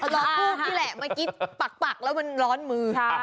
ล้อทูบนี่แหละเมื่อกี้ปักแล้วมันร้อนมือ